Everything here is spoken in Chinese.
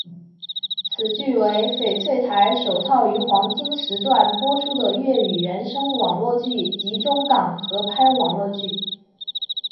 此剧为翡翠台首套于黄金时段播出的粤语原声网络剧及中港合拍网络剧。